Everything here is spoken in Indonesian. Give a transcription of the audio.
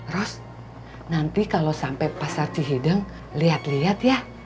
ros nanti kalau sampai pasar cihideng lihat lihat ya